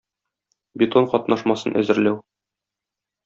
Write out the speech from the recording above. Бетон катнашмасын әзерләү